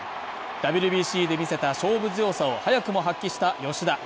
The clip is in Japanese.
ＷＢＣで見せた勝負強さを早くも発揮した吉田。